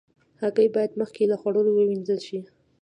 هګۍ باید مخکې له خوړلو وینځل شي.